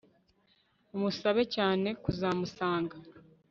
umusabe cyane kuzamusanga